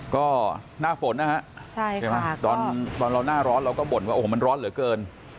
ก็หน้าฝนนะฮะใช่ไหมตอนเราหน้าร้อนเราก็บ่นว่าโอ้โหมันร้อนเหลือเกิน